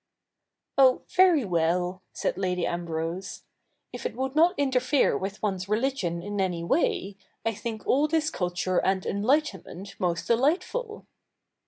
' Oh, very well,' said Lady Ambrose, ' if it would not interfere with one's religion in any way, I think all this culture and enlightenment most delightful."